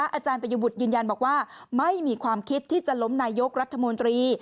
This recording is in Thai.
อาจารย์ปริยบุตรยืนยันบอกว่าไม่มีความคิดที่จะล้มนายกรัฐมนตรี